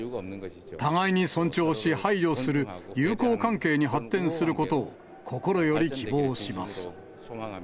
互いに尊重し配慮する友好関係に発展することを、心より希望します。